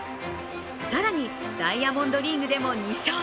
更にダイヤモンドリーグでも２勝。